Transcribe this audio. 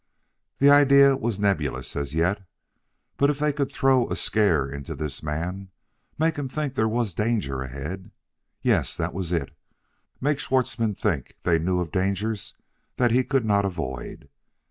The idea was nebulous as yet ... but if they could throw a scare into this man make him think there was danger ahead.... Yes, that was it: make Schwartzmann think they knew of dangers that he could not avoid.